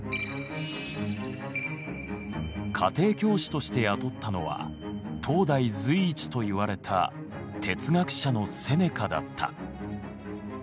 家庭教師として雇ったのは当代随一といわれた哲学者のセネカだった。